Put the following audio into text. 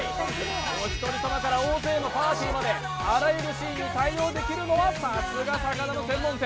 おひとりさまから大勢のパーティーまであらゆるシーンに対応できるのはさすが魚の専門店。